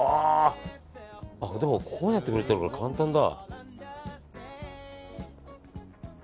でも、こうやってくれたほうが簡単だ。